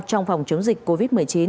trong phòng chống dịch covid một mươi chín